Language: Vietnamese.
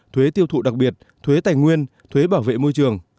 thuế tiêu thụ đặc biệt thuế tài nguyên thuế bảo vệ môi trường